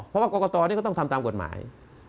เพราะว่ากรกตนี่ก็ต้องทำตามกฎหมาย